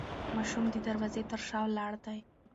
ماشوم د دروازې تر شا ولاړ دی.